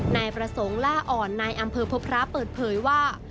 นายประสงค์ล่าอ่อนนายอำเภอพบพระเปิดเผยว่า